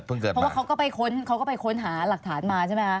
เพราะว่าเขาก็ไปค้นหาหลักฐานมาใช่ไหมคะ